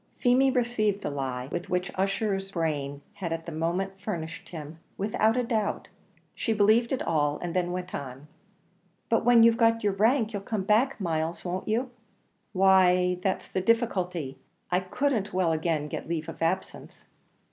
Feemy received the lie with which Ussher's brain had at the moment furnished him, without a doubt; she believed it all, and then went on. "But when you've got your rank, you'll come back, Myles, won't you?" "Why that's the difficulty I couldn't well again get leave of absence."